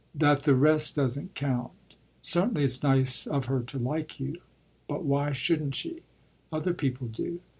"That the rest doesn't count? Certainly it's nice of her to like you. But why shouldn't she? Other people do."